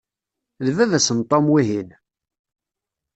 D baba-s n Tom, wihin?